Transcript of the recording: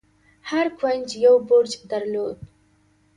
هر کونج يو برج درلود.